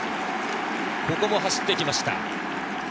ここも走ってきました。